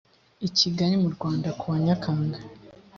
i kigali mu rwanda kuwa nyakanga